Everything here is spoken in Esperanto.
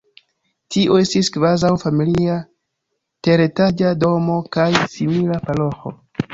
Tio estis kvazaŭ familia teretaĝa domo kaj simila paroĥo.